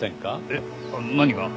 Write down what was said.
えっ何が？